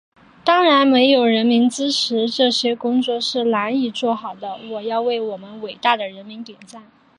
当然，没有人民支持，这些工作是难以做好的，我要为我们伟大的人民点赞。